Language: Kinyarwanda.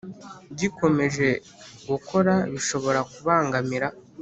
Gikomeje gukora bishobora kubangamira